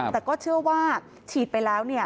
แต่ก็เชื่อว่าฉีดไปแล้ว